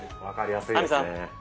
分かりやすいですね。